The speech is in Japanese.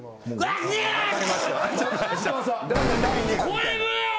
これもやろ？